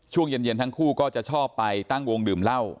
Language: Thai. ช่วงเย็นทั้งคู่ก็จะชอบไปตั้งวงดื่มเหล้า